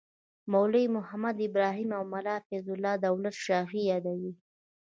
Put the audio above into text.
مولوي محمد ابراهیم او ملا فیض الله دولت شاهي یادوو.